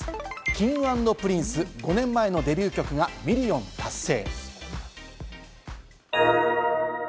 Ｋｉｎｇ＆Ｐｒｉｎｃｅ、５年前のデビュー曲がミリオン達成。